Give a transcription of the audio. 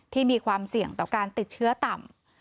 มีความเสี่ยงต่อการติดเชื้อต่ำ